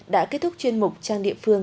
đã kết thúc chuyên mục trang địa phương